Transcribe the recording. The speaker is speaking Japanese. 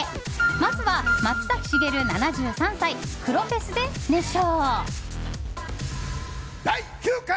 まずは松崎しげる、７３歳「黒フェス」で熱唱。